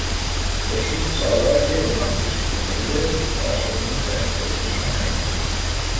Er schuf zahlreiche romantische Gemälde mit Darstellungen seiner polnischen Heimat.